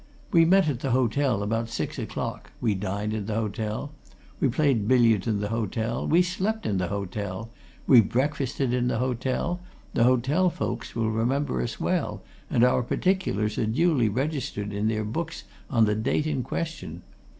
We met at the hotel about six o'clock; we dined in the hotel; we played billiards in the hotel; we slept in the hotel; we breakfasted in the hotel; the hotel folks will remember us well, and our particulars are duly registered in their books on the date in question.